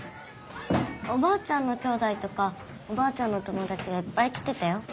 おばあちゃんのきょうだいとかおばあちゃんの友だちがいっぱい来てたよ。